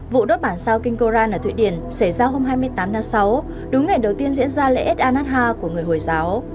vụ đốt bản sao king koran ở thụy điển xảy ra hôm hai mươi tám tháng sáu đúng ngày đầu tiên diễn ra lễ ad an ha của người hồi giáo